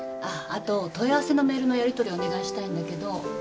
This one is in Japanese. あと問い合わせのメールのやりとりお願いしたいんだけど。